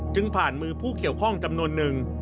ผ่านมือผู้เกี่ยวข้องจำนวนนึง